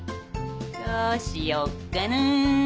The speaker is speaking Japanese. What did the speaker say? どうしよっかな。